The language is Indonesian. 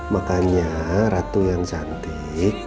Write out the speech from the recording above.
makanya ratu yang cantik